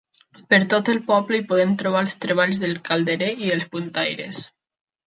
Per tot el poble hi podem trobar les treballs dels calderer i els puntaires.